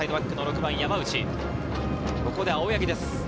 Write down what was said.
ここで青柳です。